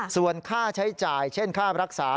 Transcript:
ส่วนค่าใช้จ่ายเช่นค่ารักษา